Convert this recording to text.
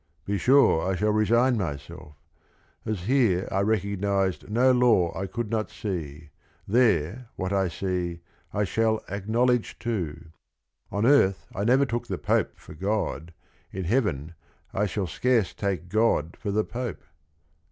Be sure I shall resign myself: as here I recognized no law I could not see, There, what I see, I shall acknowledge too : On earth I never took the Pope for God, In heaven I shall scarce take God for the Pope.